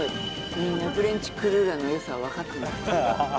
みんなフレンチクルーラーの良さをわかってない。